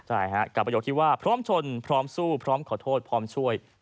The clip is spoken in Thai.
ใช่ฮะกับประโยคที่ว่าพร้อมชนพร้อมสู้พร้อมขอโทษพร้อมช่วย